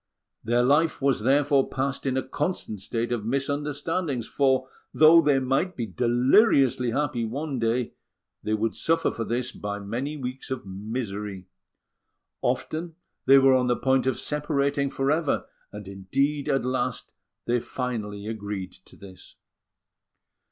Their life was, therefore, passed in a constant state of misunderstandings; for though they might be deliriously happy one day, they would suffer for this by many weeks of misery. Often they were on the point of separating for ever; and, indeed, at last they finally agreed to this.